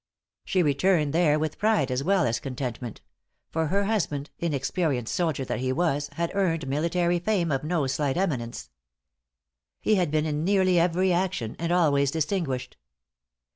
She returned there with pride as well as contentment; for her husband, inexperienced soldier as he was, had earned military fame of no slight eminence. He had been in nearly every action, and always distinguished.